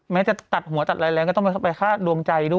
จะตัดหัวตัดอะไรแรงก็ต้องไปฆ่าดวงใจด้วย